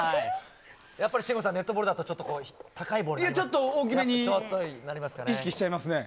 やっぱり、信五さんネットボールだと大きめに意識しちゃいますね。